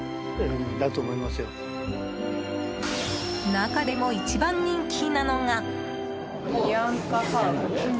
中でも一番人気なのが。